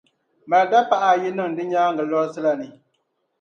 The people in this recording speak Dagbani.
mali dapaɣa ayi niŋ di nyaaŋa lɔrisi la ni.